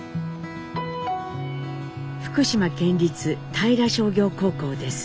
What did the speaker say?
福島県立平商業高校です。